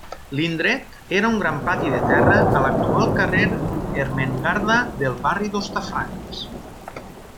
L'indret era un gran pati de terra a l'actual carrer Ermengarda del barri d'Hostafrancs.